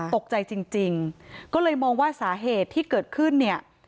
ตกใจจริงก็เลยมองว่าสาเหตุที่เกิดขึ้นเนี่ย